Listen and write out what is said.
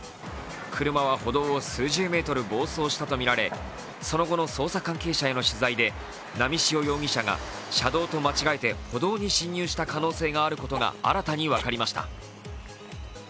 車は歩道を数十メートル暴走したとみられその後の捜査関係者への取材で波汐容疑者が車道と間違えて歩道に進入した可能性があることが新たに分かりました。